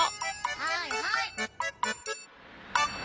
はいはい。